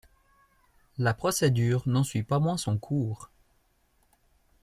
La procédure n'en suit pas moins son cours.